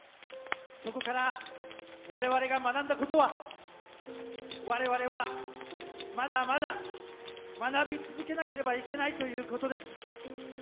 そこから我々が学んだことは我々はまだまだ学び続けなければいけないということです。